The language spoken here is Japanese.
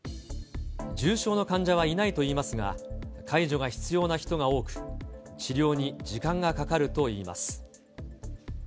重症の患者はいないといいますが、介助が必要な人が多く、治療に時間がかかるといいます。